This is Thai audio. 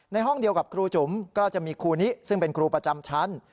ห้องเดียวกับครูจุ๋มก็จะมีครูนี้ซึ่งเป็นครูประจำชั้น